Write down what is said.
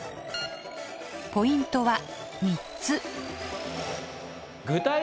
ポイントは３つ。